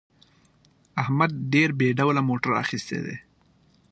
احمد ډېر بې ډوله موټر اخیستی دی.